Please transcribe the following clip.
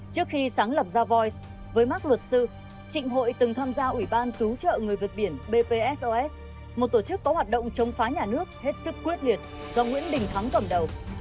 trước khi sáng lập ra voi với mắc luật sư trịnh hội từng tham gia ủy ban cứu trợ người vượt biển bpsos một tổ chức có hoạt động chống phá nhà nước hết sức quyết liệt do nguyễn đình thắng cầm đầu